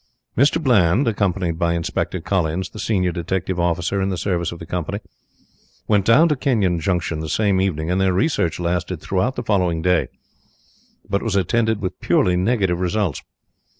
Mr. Bland, accompanied by Inspector Collins, the senior detective officer in the service of the company, went down to Kenyon Junction the same evening, and their research lasted throughout the following day, but was attended with purely negative results.